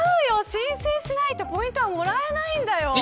申請しないとポイントもらえないんだよ。